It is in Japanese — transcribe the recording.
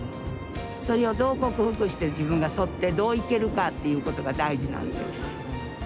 それをどう克服して自分が沿ってどういけるかっていうことが大事なんで。